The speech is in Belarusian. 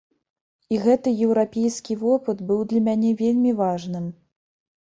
І гэты еўрапейскі вопыт быў для мяне вельмі важным.